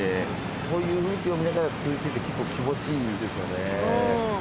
こういう景色を見ながら通勤って結構気持ちいいですよね。